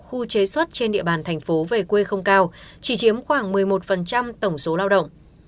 khu chế xuất trên địa bàn thành phố về quê không cao chỉ chiếm khoảng một mươi một tổng số lao động